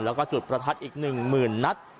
แล้วก็จุดประทัดอีก๑๐๐๐นัด